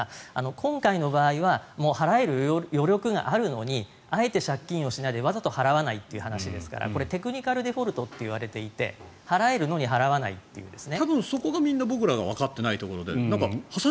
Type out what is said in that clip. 今回の場合は払える余力があるのにあえて借金をしないでわざと払わないという話ですからテクニカルデフォルトといわれていて払えるのに払わないというね。